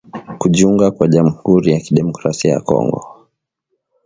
kujiunga kwa jamuhuri ya kidemokrasia ya Kongo